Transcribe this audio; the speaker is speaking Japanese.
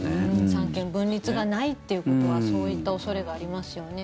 三権分立がないということはそういった恐れがありますよね。